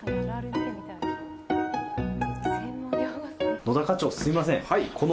野田課長、すみません。